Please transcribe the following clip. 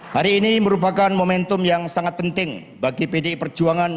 hari ini merupakan momentum yang sangat penting bagi pdi perjuangan